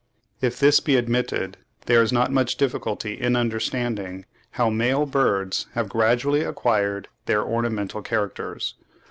If this be admitted, there is not much difficulty in understanding how male birds have gradually acquired their ornamental characters.